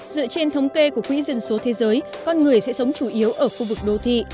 dựa trên thống kê của quỹ dân số thế giới con người sẽ sống chủ yếu ở khu vực đô thị